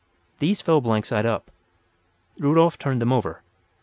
These fell blank side up. Rudolf turned them over.